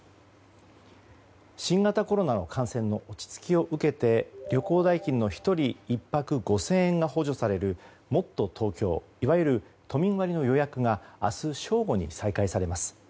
新型コロナの感染の落ち着きを受けて旅行代金の１人１泊５０００円が補助される補助される、もっとＴｏｋｙｏいわゆる都民割の予約が明日、正午に再開されます。